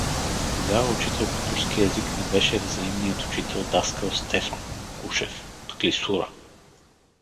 Тогава учител по турски език ни беше взаимният учител даскал Стефан (Кушев) от Клисура.